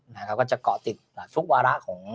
จะเกาะติดทุกวัลละของ